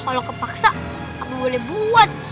kalau kepaksa aku boleh buat